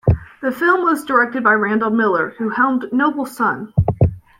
The film was directed by Randall Miller, who helmed "Nobel Son".